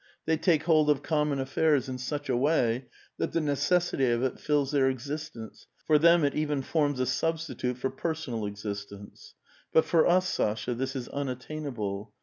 They take hold of com mon affairs in such a way that the necessity of it fills their existence ; for tliem it even forms a substitute for personal existence. But for us, Sasha, this is unattainable.